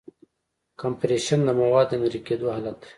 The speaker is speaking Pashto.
کمپریشن د موادو د نری کېدو حالت دی.